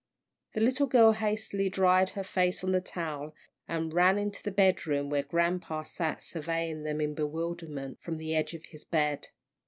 The little girl hastily dried her face on the towel, and ran into the bedroom where grampa sat surveying them in bewilderment from the edge of his bed.